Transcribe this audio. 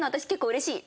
うれしい！